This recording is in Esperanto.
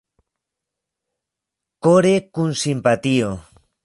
Kore, kun simpatio!